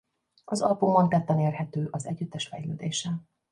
Az albumon tetten érhető az együttes fejlődése.